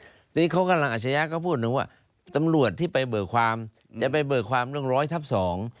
ทีนี้เขากำลังอาชญาก็พูดถึงว่าตำรวจที่ไปเบิกความจะไปเบิกความเรื่องร้อยทับสอง